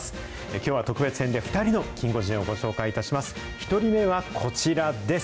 きょうは特別編で、２人のキンゴジンをご紹介します。